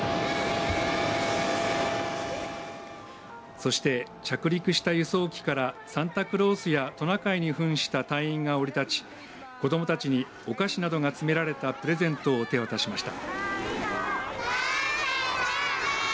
そして着陸した輸送機からサンタクロースやトナカイにふんした隊員が降り立ち子どもたちにお菓子などが詰められたプレゼントを手渡しました。